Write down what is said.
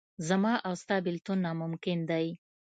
زما او ستا بېلتون ناممکن دی.